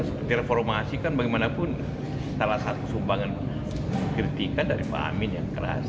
seperti reformasi kan bagaimanapun salah satu sumbangan kritikan dari pak amin yang keras